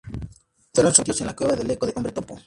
Fueron sometidos en la cueva del eco de Hombre Topo.